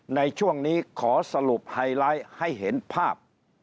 ในช่วงนี้ขอสรุปไฮไลท์ให้เห็นภาพ